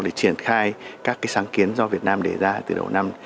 để triển khai các sáng kiến do việt nam đề ra từ đầu năm